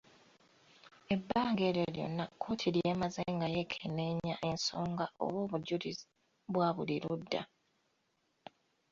Ebbanga eryo lyonna kooti ly'emaze nga yeekeneennya ensonga/obujulizi bwa buli ludda.